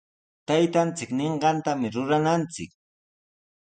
Taytanchik ninqantami rurananchik.